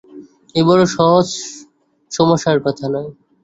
এ বড় সহজ সমস্যার কথা নয়।